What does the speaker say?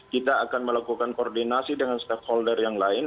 kita akan melakukan koordinasi dengan stakeholder yang lain